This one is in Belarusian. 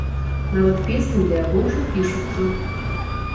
Нават песні для яго ўжо пішуцца.